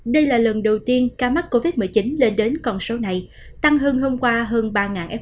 đây là lần đầu tiên ca mắc covid một mươi chín lên đến con số này tăng hơn hôm qua hơn ba f hai